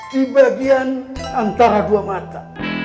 di bagian antara dua mata